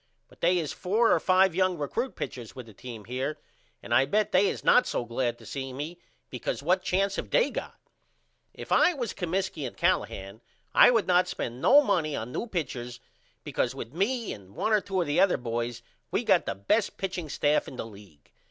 But they is four or 5 young recrut pitchers with the team here and I bet they is not so glad to see me because what chance have they got? If I was Comiskey and Callahan I would not spend no money on new pitchers because with me and 1 or 2 of the other boys we got the best pitching staff in the league.